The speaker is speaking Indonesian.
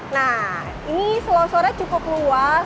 nah ini selongsornya cukup luas